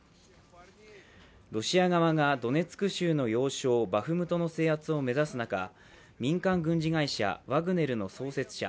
ロシア側がドネツク州の要衝バフムトの制圧を目指す中、民間軍事会社ワグネルの創設者